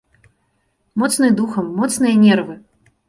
Моцны духам, моцныя нервы!